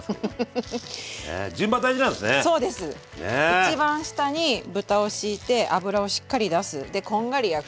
１番下に豚をしいて脂をしっかり出す。でこんがり焼く。